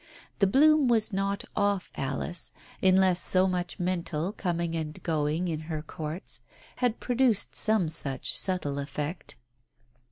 The bloom was not off Alice, unless so much mental coming and going in her courts had produced some such subtle effect.